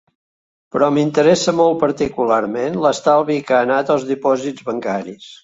Però m’interessa molt particularment l’estalvi que ha anat als dipòsits bancaris.